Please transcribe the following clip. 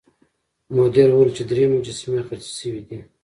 مدیر وویل چې درې مجسمې خرڅې شوې دي.